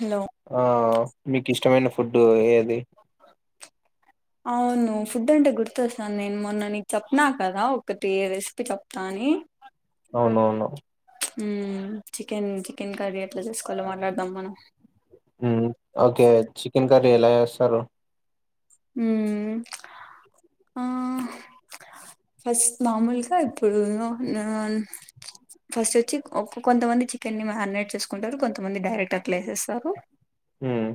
Hello ఆ ఆ మీక ఇష్టమైన ఫుడ్డు ఏ అవును హ్మ్ ఫుడ్ అంటే గుర్తొస్థాంధీ నేను మొన్న న చెప్పిన కదా ఒకటి రెసిపీ చెప్తా అని అవునవును హ్మ్ చికెన్ చికెన్ కర్రీ ఎట్ల చేసుకోవాలో మాట్లాడదాం మనం హ్మ్ ఒకే ఒక్ చికెన్ కరీ ఎలా చేస్ తరు హ్మ్ ఆ ఫస్ట్ మామూలుగా ఇప్పుడు ఆ ఫస్ట్ వచ్చి కొంతమంది చికెన్ని మ్యారినేట్ చేసుకుంటారు కొంతమంది డైరెక్ట్ ఏసేస్తారు హ్మ్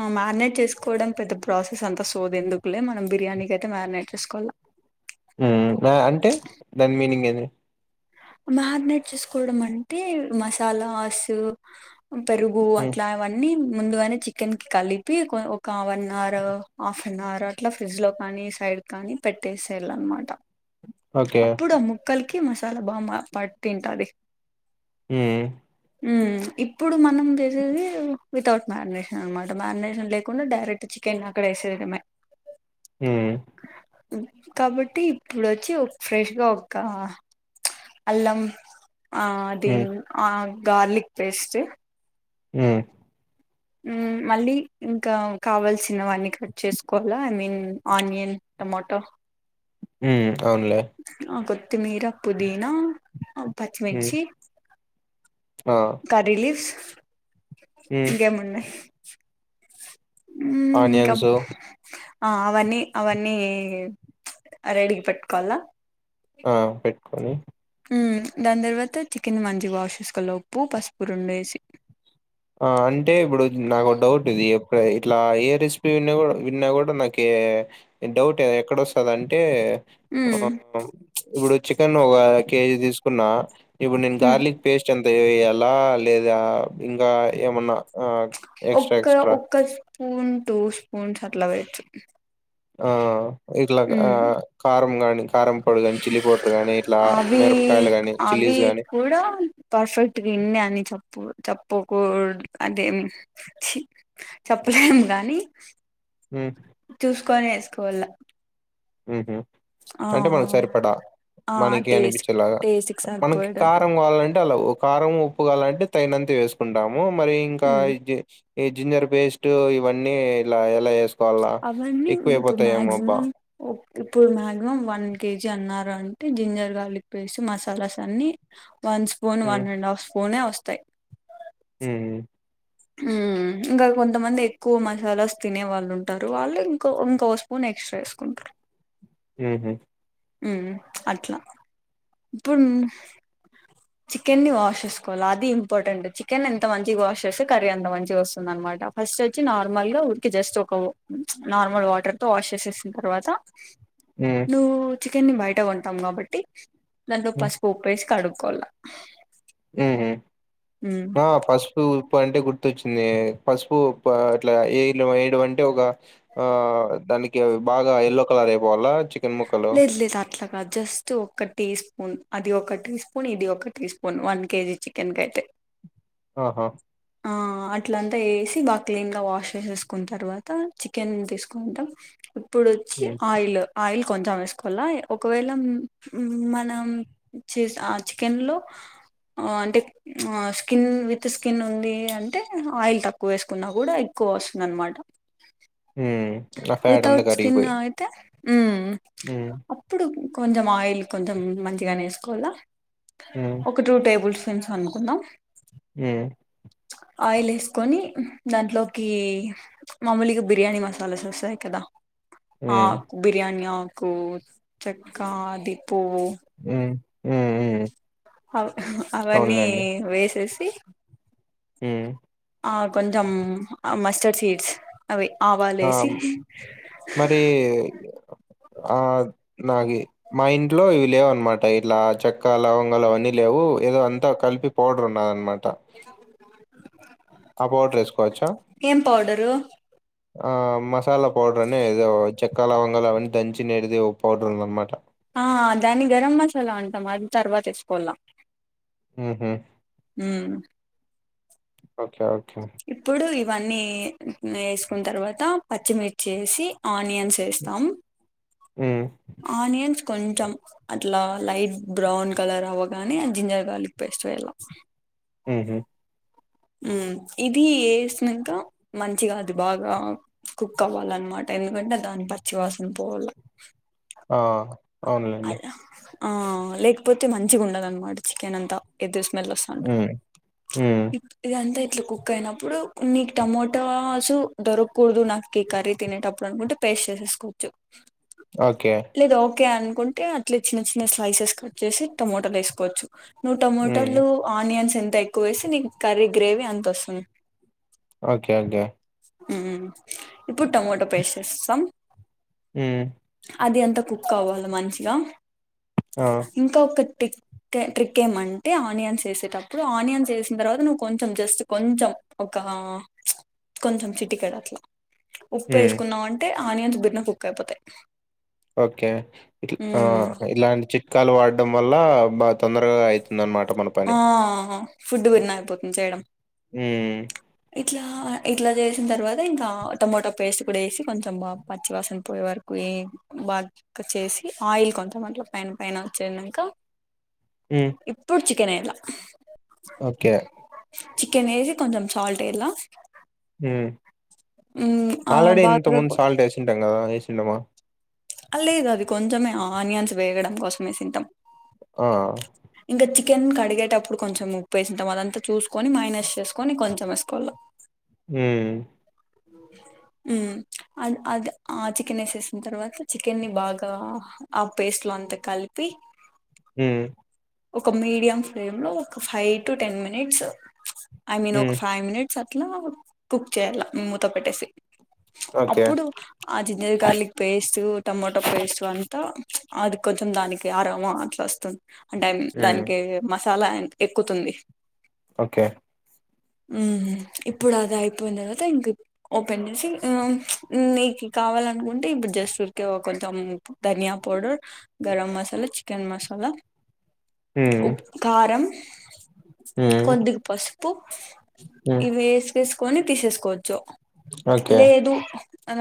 ఆ మ్యారినేట్ చేసుకోవడం పెద్ద ప్రాసెస్ అంతా సోది ఎందుకులే మనం బిర్యానీకి అయితే మ్యారినేట్ చేసుకోల్లా హ్మ్ ఆ అంటే దాని మీనింగ్ ఏంది మ్యారినేట్ చేసుకోవడం అంటే మసాలాస్ పెరుగు మ్మ్ అట్ల అ వన్నీ ముందుగానే చికెన్ కి కలిపి ఒక one hour half an hour అట్లా ఫ్రిడ్జ్ లో కానీ సైడ్ కానీ పెట్టేసేళ్ళ అనమాట ఓకే అప్పుడు ఆ ముక్కల్ క్కి మసాలా బామ్మ పట్టింటది హ్మ్ హ్మ్మ్ ఇప్పుడు మనం చేసేది వితౌట్ మ్యారినేషన్ అనమాట మ్యారినేషన్ లేకుండా డైరెక్ట్ చికెన్ అక్కడ వేసేడమే హుమ్ కాబట్టి ఇప్పుడు వచ్చి ఒక ఫ్రెష్గా ఒక అల్లం ఆ అదే మ్మ్ ఆ గార్లిక్ పేస్ట్ హ్మ్ ఉ మళ్ళీ ఇంకా కావాల్సినవన్నీ కట్ చేసుకోవాలా ఐ మీన్ ఆనియన్ టమాటో ఊ ఉ అవునులే కొత్తిమీరా పుదీనా మ్మ్ పచ్చిమిర్చి ఆ కర్రీ లీఫ్స్ మ్మ్ ఇంకేమన్నా ఇంకా ఆనియన్సు ఆ అవన్నీ అవన్నీ రెడీగా పెట్టుకోవాల్లా ఆ పెట్టుకొని ఉ దాని తర్వాత చికెన్ మంచి వాష్ చేసుకునేలోపు పసుపు రెండు వేసి ఆ అంటే ఇప్పుడు నాకు డౌట్ ఉంది ఇక్క ఇట్లా ఏ రెసిపీ విన్నా విన్నా కూడా నాకి డౌట్ ఎక్కడొస్తుంద అంటే ఆ మ్మ్ ఇప్పుడు చికెన్ ఒక కేజీ తీసుకున్నా ఇప్పుడు నేను మ్మ్ గార్లిక్ పేస్ట్ ఎంత ఎలా లేదా ఇం ఇంకా ఏమన్నా ఒక్క ఎక్స్‌ట్రా ఒక్క స్పూన్ టోస్ ఫోన్స్ అట్లా వయచ్ ఆ ఇట్లా ఆ కారం కానీ అవి మిరపకాయలు గాని, అవి చిల్లీస్ గాని కూడా పర్ఫెక్ట్ ఇన్నే అని చెప్ప చెప్పుకూదు అంటే చెప్పలేం కానీ ఉ చూసుకొని వేసుకోవాల ఉహు ఆ అంటే మనం సరిపడా ఆ మనకి టేస్ట్ అనిపించేలాగా టేస్ట్ కి మనకి సరిపోయేటట్టు కారం కావాలంటే కారం ఉప్పుగాల్లాంటే తగినంత వేసుకుంటాము. ఏమో మరి ఇంకా ఉమ్ అయితే ఈ జింజర్ పేస్ట్ ఇవన్నీ ఇలా ఎలా చేసుకోవాలా అవన్నీ ఎక్కువ ఇప్పుడు అయిపోతాయేమో అబ్బా మాక్సిమం ఇప్పుడు మాక్సిమం వన్ కేజీ అన్నారు అంటే జింజర్ గార్లిక్ పేస్ట్ మసాలాస్ అన్ని one spoon one um, and half పోనే వస్తయి ఉమ్, హ్మ్ ఇంకా కొంతమంది ఎక్కువ మసాలాస్ తినే వాళ్ళు ఉంటారు వాళ్ళు ఇంకో ఇంకో స్పూన్ ఎక్స్ట్రా వేసుకుంటారు ఊహు హ్మ్ అట్లా ఇప్పుడు చికెన్ని ని వాష్ చేసుకోవాలి అది ఇంపార్టెంట్ చికెన్ ఎంత మంచిగా వాష్ చేస్తే కర్రీ ఎంత మంచిగా వస్తుంద అనమాట ఫస్ట్ వచ్చి నార్మల్గా ఊరికి జస్ట్ ఒక నార్మల్ వాటర్ తో వాష్ చేసేసిన తర్వాత ఉమ్, నువ్వు చికెన్ని బయట కొంటాం కాబట్టి దాంట్లో పస్సుకు విప్పేసి కడుగ్ కోళ్ల ఊహు ఆ పసుపు పప్పు అంటే గుర్తొచ్చింది పసుపు అట్ల ఏ వేడు అంటే ఒగ ఆ దానికి బాగా ఎల్లో కలర్ అయిపోవాలా చికెన్ ముక్కలు లేదు లేదు అట్ల కాదు జస్ట్ ఒక టీ స్పూన్ అది ఒక టీ స్పూన్ ఇది ఒక teaspoon one KG chicken కాయ్యితే ఆహా ఆ అట్లంతా వేసి బాగా క్లీన్ వాష్ చేసేసుకున్న తర్వాత చికెన్ తీసుకుంటా ఇప్పుడోచ్చి ఉమ్, ఆయిల్ ఆయిల్ కొంచెం వేసుకోవల్ల ఒకవేళ మనం చ చికెన్లో అంటే స్కిన్ విత్ స్కిన్ ఉంది అంటే ఆయిల్ తక్కువ వేసుకున్నా కూడా ఎక్కువ వస్తుంది అనమాట ఆ ఫ్యాట్ అంత వితౌట్ స్కిన్ కరిగిగిపోయి అయితే హ్మ్ అప్పుడు కొంచం ఆయిల్ కొంచెం మంచిగనే వేసుకోవల్ల ఉమ్. ఒక టూ టేబుల్స్ పెంచ అనుకుందాం హ్మ్ ఆయిల్ వేసుకొని దాంట్లోకి మామూలుగా బిర్యానీ మసాలాస్ వస్తాయి కదా హ్మ్ ఆకు బిర్యానీ ఆ కు చక్క ది పువ్వు హ్మ్ హ్మ్ హ్మ్. అవ్ హా అవన్నీ అవునులేండి. వేసెస్ తీ హ్మ్. ఆ కొంచం ఆ మస్ మస్టర్డ్ సీడ్స్ అవి ఆ! ఆవాలేసి నాకు మా ఇంట్లో ఇవి లేవు అన్నమాట ఇట్లా చెక్క లవంగలు అవన్నీ లేవు ఏదో అంతా కలిపి పోడర్ ఉన్నద అన్నమాట ఎలా ఉన్నావ్ ఆన్ ఆ పౌడర్ వేసుకోవచ్చా ఏం పౌడరు ఆ మసాలా పౌడర్ అనే ఏదో చెక్కా లవంగలు అవన్నీ దంచినేడిది పౌడర్ ఉంది అన్నమాట ఆ దాన్ని గరం మసాలా అంటాం అది తర్వాత ఏసుకోళ్ళ హుహు. హుమ్ ఓకే ఓ ఇప్పుడు ఇవ్ ఇవన్నీ వేసుకున్న తర్వాత పచ్చిమిర్చి ఏసి ఆనియన్స్ ఏస్తాం హ్మ్. ఆనియన్స్ కొంచెం అట్లా లైట్ బ్రౌన్ కలర్ అవ్వగానే జింజర్ గార్లిక్ పేస్ట్ వెళ్ళ హ్మ్ హు ఉమ్ ఇది ఏసినాక మంచిగా అది బాగా కుక్ అవ్వాల అన్మాట ఎందుకంటే దాని పచ్చివాసన పోవాల ఆ! అవునులేండి అలా ఆ లేకపోతే మంచిగా ఉండదు అనమాట చికెన్ అంతా ఎదు స్ స్మెల్ సంట హ్మ్. హ్మ్. ఇద్ ఇదంతే ఇట్ల కుక్ అయినప్పుడు నీకు టమోటాసు దొరకకూడదు నాకు కర్రీ తినేటప్పుడు అనుకుంటే పేస్ట్ చేసేసుకోవచ్చు ఓకే కే అనుకుంటే అట్లే చిన్న చిన్న స్లైసెస్ కట్ చేసి టమోటలు వేసుకోవచ్చు నువ్వు హ్మ్. టొమోటోలు ఆనియన్స్ ఎన్ ట్ క్కువేసి నీకు కర్రీ గ్రేవీ అంత వస్తుంన్ ఓకే ఓకే ఉమ్ ఇప్పుడు టొమోటో పేస్ేస్తాం హ్మ్. అది అంత కుక్ మంచిగా ఆ! ఇంకా ఒక త్ ట్రిక్ ట్రిక్ ఏమ్ అంటే ఆనియన్స్ వేసేటప్పుడు ఆనియన్స్ వేసిన తర్వాత నువ్వు కొంచెం జస్ట్ కొంచెం ఒక కొంచెం చిటికెడు అట్లా ఉప్పు హ్మ్. ఏసుకున్నావ్ అంటే ఆనియన్స్ బెర్నా కుక్ అయిపోతాయి ఓకే ఆ మ్మ్ ఇలాంటి చి క్కలు వాడడం వల్ల బాగా తొందరగా అయిత్ దనమాట మన ఆ పని ఫుడ్ బెర్నా అయిపోతుంది చేయడం హూ మ్ ఇట్లా ఇట్లా చేసిన తర్వాత ఇంకా టమాోటా పేస్ట్ కూడా వేసి కొంచెం బాగా పచ్చివాసన పొయే వరకు బాగా చేసి ఆయిల్ కొంచెం అట్లా పైన పైన వచ్చక ఉ చికెన్ ఎలా చికెన్ ఏసి కొంచెం సాల్టేయాలా హ్మ్ ఆ ఆల్రెడీ ఇంత బాగా ముందు కొ- సాల్ట్ వేసింటాం కదా చి సినిమా లేదు అది కొంచమే ఆనియన్స్ వేగడం కోసమే సింటాం ఆ ఇంకా చికెన్ కడిగేటప్పుడు కొంచెం ఉప్పు వేసింటాం అదంతా చూసుకొని మైనస్ చేసుకొని కొంచెం వేసుకోవళ్ళం హ్మ్ అ అది ఆ చికెన్ వేసేసిన తర్వాత చికెన్ని ని బాగా ఆ పేస్ట్ లో అంతా కలిపి హ్మ్ ఒక మీడియం ఫ్లేమ్ లో ఒక five to ten minutes I mean ఒక హ్మ్. ఫైవ్ మినిట్ అట్లా కుక్ చేయాల మూతో పెట్టేసి ఓకే. అప్పుడు ఆ ginger garlic paste tomato paste అంతా అది కొంచెం దానికి ఆరామ ఆట్లా వస్తుంది అంటే హ్మ్. దానికి మ చాలా ఎక్కుతుంది ఓకే ఇప్పుడు అది అయిపోయిన తర్వాత ఇం ఓపెన్ చేసి నీకు కావాలనుకుంటే ఇప్పుడు జస్ట్ ఉరికే కొంచెం ధనియా పౌడర్ గరం మసాలా చికెన్ మసాలా హ్మ్. ఉప కరం హ్మ్. కొందికు పసుపు హ్మ్. ఇవి వెసెసు కొని తీసేసుకోచ్చు ఓకే. లేదు అన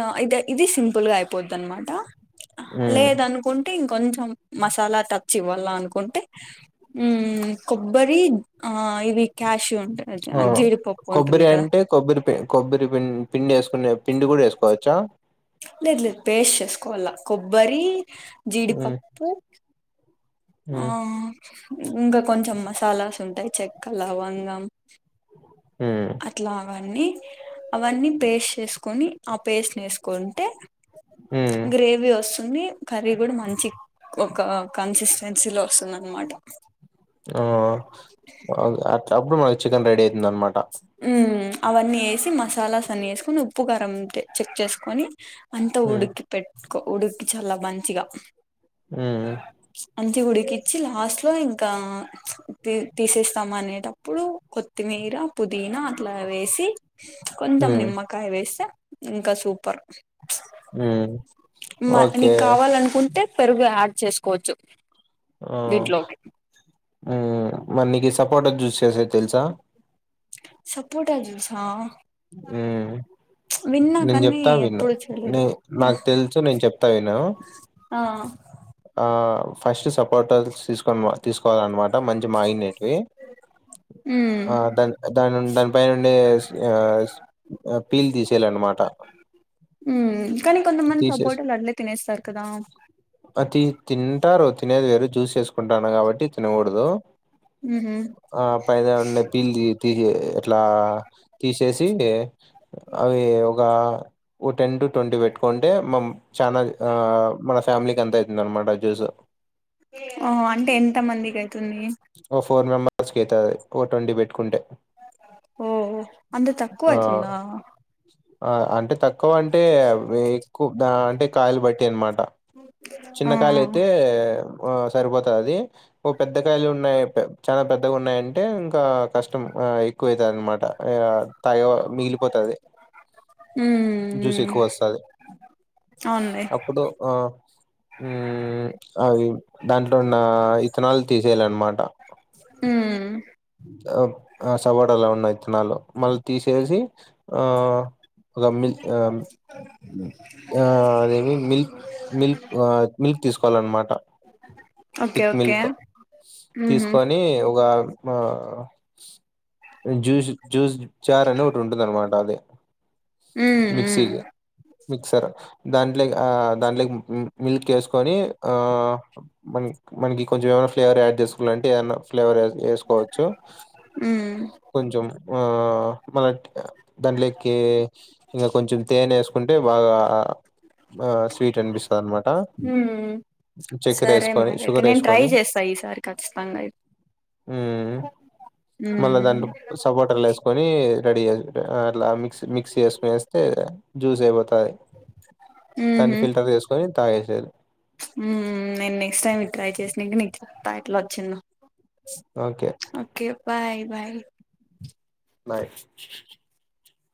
ఇది సింపుల్ గా అయిపోద్ది అనమాట హ్మ్. లేద అనుకుంటే ఇం కొంచం మసాలా తచ్చివా లా అనుకుంటే ఊమ్ కొబ్బరి ఆ ఇవి క్యాషు ఉంటాయి ఆ జీడిపప్పు ఉంటుంది కొబ్బరి కదా అంటే కొబ్బరి కొబ్బపిం పిండి ఏసుకునే పిండి కూడా ఏసుకోవచ్చా లేదు లేదు పేస్ట్ చేసుకోల కొబ్బరి హ్మ్. జీడిపప్పు ఆ హ్మ్. ఇంకా కొంచెం మసాలాస్ ఉంటాయి చెక్క లవంగం ఊ అన్ని అవన్నీ పేస్ట్ చేసుకొని ఆ పేస్టని ఏసుకుంటే హ్మ్. గ్రేవీ వస్తుంది కర్రీ కూడా మంచి ఒక కన్సిస్ టెంసీ లొ వస్తుందన్నమాట ఆ అ అప్పుడు మ చికన్ రెడీ అయితుందన్నమాట ఉమ్ ఊమ్ అవన్నీ ఏసి మసాలాస్ అన్నీ ఏసుకొని ఉప్పు కారం అంతే చెక్ చేసుకొని అంత హ్మ్. ఉడుకి పెట్ ఉడిక్కి చల్ల మంచిగ ఊమ్ మంచిగ ఉడికిచ్చి లాస్ట్లో ఇంకా ప్చ్ తీ తీసేస్తామనేటప్పుడు కొత్తిమీర పుదీనా అట్ల వేసి కొంచెం ఉమ్ నిమ్మకాయ వేస్తే ఇంక సూపర్ హ్మ్ ఒకే టే పెరుగు యాడ్ చేసుకోవచ్చు ఆ దీంట్లోకి హ్మ్ మళ్ళీ నిక్ సప్ పోట జ్యూస్ చేసేది తెలుసా సపోట జూసా హ్మ్ నేను కానీ చెప్తా విను ఎప్పుడు నే చూడలేదు నాకు తెలుసు నేను చెప్తా విను ఆ ఆ ఫస్ట్ సపోర్ట్ తీసుకొని తీసుకోవాలన్నమాట మంచి మాగి నెటివి ఉమ్ ఆ దాన్ దాన్ దానిపై నుండే ఆ ఎస్ పీలు తీసేలన్నమాట ఉమ్ కానీ కొంతమంది థీసెస్ సపోటాలు అట్లే తినేస్తారు కదా అ తింట తినేది వేరు జూసు చేసుకుంటాన కాబట్టి తినకూడదు ఉహు ఆ పైన పీలు తీ తీసి ఇట్లా చేసి అవి ఒగ ఆ వ టెన్ టు ట్వంటీ పెట్టుకుంటే మం చానా ఆ మనస్ ఫ్యామిలీకి అంత ఐతుందన్నమాట జ్యూస్ ఓ అంటే ఎంత మందికి కైతే తుంది ఓ ఫోర్ మెంబర్స్ కి ఐతది ఓ ట్వంటీ బెట్టుకుంటే ఊహు అంత ఆ తక్కువయతుందా ఆ అంటే తక్కువ అంటే ఎక్కువ అంటే కాయలు బట్టి అనమాట చిన్న ఆ కాయలు అయితే ఆ సరిపోతది అది ఓ పెద్ద కాయలు ఉన్నాయి చాలా పెద్దగా ఉన్నాయంటే ఇంకా కష్టం ఎక్కువవుతుంది అనమాట తాగ మిగిలిపోతది జ్యూస్ ఉమ్ ఎక్కువ వస్తుంది. అవునులే అప్పుడు ఆ అవి దాంట్లో ఉన్న ఇథనాల్ తీసేయల అనమాటా ఊ ఆ సపోటలా ఉన్నాయి ఇత్తనాలు మళ్ళీ తీసేసి ఆ ఒక మిల్ అదేమి మిల్క్ మిల్క్ మిల్క్ తీసుకోవాలన్నమాట. ఓకే థిక్ ఓకే మిల్క్ ఉహు తీసుకొని ఒక ఆ జూస్ జ్యూస్ జార్ అనే ఒకటి ఉంటుంది అన్నమాట అదే ఉమ్ ఉమ్ మిక్సర్ దాంట్లోకి దాంట్లో మిల్క్ యేసుకొని మన మనకి కొంచెం ఏమైనా ఫ్లేవర్ యాడ్ చేసుకోవాల అంటే ఫ్లేవర్ యేసుకోవచ్చు ఉమ్ కొంచెం ఆ మ దాంట్లేకి కొంచెం తేన వేసుకుంటే బాగా ఆ స్వీట్ అనిపిస్తది అనమాట ఉమ్ చక్కెర సరే వేసుకొని మరి అయితే షుగర్ నేను ట్రై వేసుకొని చేస్తా ఈసారి ఖచ్చితంగా ఉమ్ మళ్ళా ఉమ్ దాంట్లో సపోటలు యేసుకొని రడి జేసు లా మిక్స్ మిక్స్ చేసు జూస ఏబ యి దాన్ని ఉహు ఫిల్టర్ తీసుకొని తాగెసేది తా ఎట్లా వచ్చిన్న ఓకే. ఓకే బా బాయ్ బాయి